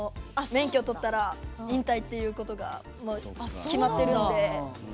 免許取ったら引退ということが決まってるんで。